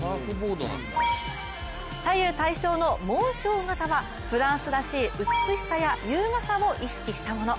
左右対称の紋章型はフランスらしい美しさや優雅さを意識したもの。